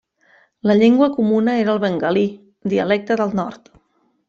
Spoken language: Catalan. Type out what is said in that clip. La llengua comuna era el bengalí dialecte del nord.